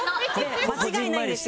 間違いないんですよ。